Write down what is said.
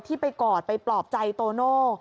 ที่ไปกอดไปปลอบใจโตโน่